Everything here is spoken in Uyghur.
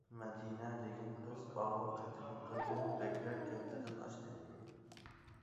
مەدىنە دېگەن قىز ئاۋۇ قېتىمقىدىن بەكرەك ھەددىدىن ئاشتى.